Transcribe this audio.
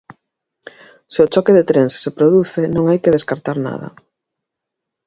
Se o choque de trens se produce non hai que descartar nada.